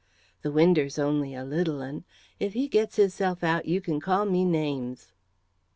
The winder's only a little 'un if he gets hisself out, you can call me names."